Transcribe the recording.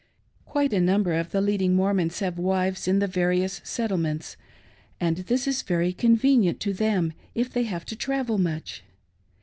Quite a number of the leading Mormons have wives in the various settlehienta ; and this is Very convenierit to them if they have to travel much.